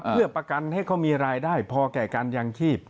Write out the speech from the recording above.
เพื่อประกันให้เขามีรายได้พอแก่การยางชีพ